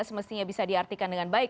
semestinya bisa diartikan dengan baik